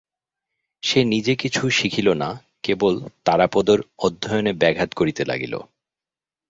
সে নিজে কিছু শিখিল না, কেবল তারাপদর অধ্যয়নে ব্যাঘাত করিতে লাগিল।